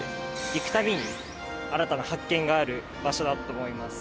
行く度に新たな発見がある場所だと思います。